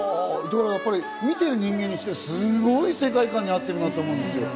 見てる人間にしてはすごい世界観になってるなと思うんです。